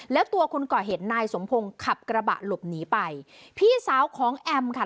แล้วตัวคนก่อเหตุนายสมพงศ์ขับกระบะหลบหนีไปพี่สาวของแอมค่ะ